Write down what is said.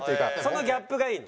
そのギャップがいいの？